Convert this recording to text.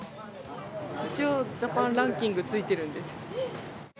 一応、ジャパンランキングついてるんです。